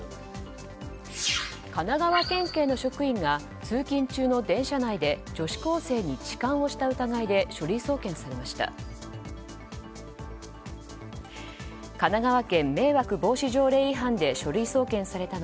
神奈川県警の職員が通勤中の電車内で女子高生に痴漢をした疑いで書類送検されました。